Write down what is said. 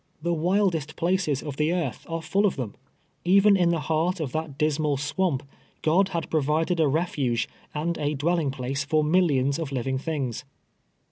The wildest places of the earth are full of them. Even in the heart of that dismal swamp, (iod had provided a refuge and a dwelling place I'or millions of living things.